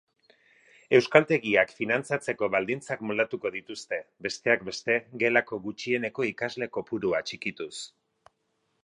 Euskaltegiak finantzatzeko baldintzak moldatuko dituzte, besteak beste gelako gutxieneko ikasle kopurua txikituz.